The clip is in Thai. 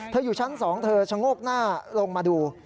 อยู่ชั้น๒เธอชะโงกหน้าลงมาดู